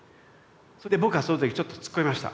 僕はその時ちょっと突っ込みました。